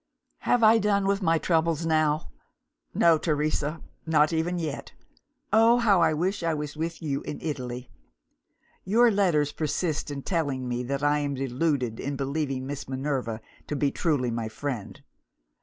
"Have I done with my troubles now? No, Teresa; not even yet. Oh, how I wish I was with you in Italy! "Your letters persist in telling me that I am deluded in believing Miss Minerva to be truly my friend.